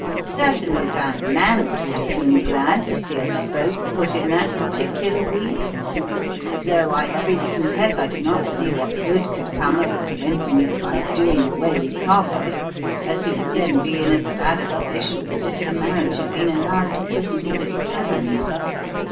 "Certainly, Van Nant would have been glad to see a spoke put in that particular wheel; though I freely confess I do not see what good could come of preventing it by doing away with Carboys, as he would then be in as bad a position as if the marriage had been allowed to proceed as planned.